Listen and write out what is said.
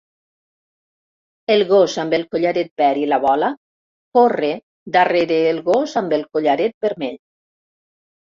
El gos amb el collaret verd i la bola corre darrere el gos amb el collaret vermell.